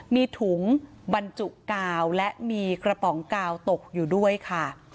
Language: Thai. มีถุงบรรจุกาวและมีกระป๋องกาวตกอยู่ด้วยค่ะ